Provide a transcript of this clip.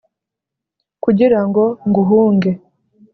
Kugira ngo nguhunge